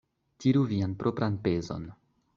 Tiru vian propran pezon.